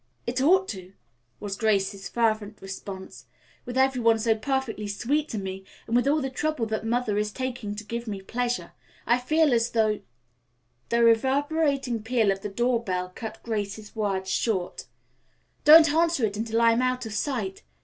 "It ought to," was Grace's fervent response, "with everyone so perfectly sweet to me and with all the trouble that Mother is taking to give me pleasure. I feel as though " The reverberating peal of the door bell cut Grace's words short. "Don't answer it until I am out of sight!"